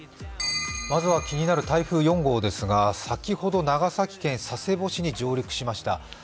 まずは気になる台風４号ですが先ほど長崎県佐世保市に上陸しました。